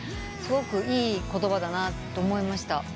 すごくいい言葉だと思いました。